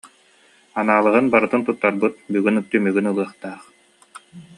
Анаалыһын барытын туттарбыт, бүгүн түмүгүн ылыахтаах